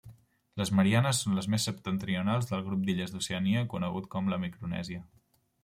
Les Mariannes són les més septentrionals del grup d'illes d'Oceania conegut com la Micronèsia.